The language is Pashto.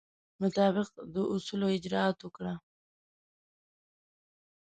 مطابق د اصولو اجرات وکړه.